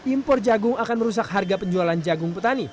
impor jagung akan merusak harga penjualan jagung petani